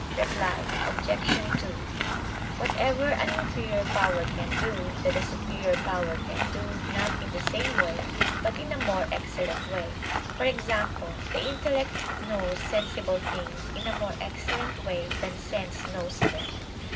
Reply Obj. 2: Whatever an inferior power can do, that a superior power can do, not in the same way, but in a more excellent way; for example, the intellect knows sensible things in a more excellent way than sense knows them.